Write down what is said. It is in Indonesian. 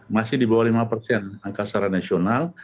masih di bawah lima persen angka secara nasional